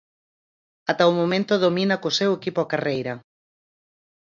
Ata o momento domina co seu equipo a carreira.